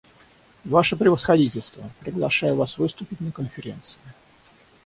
Ваше превосходительство, приглашаю вас выступить на Конференции.